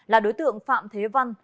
là đối tượng phạm thế văn